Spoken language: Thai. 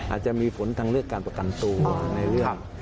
อาจจะมีผลทางเลือกการประกันตัวในเรื่อง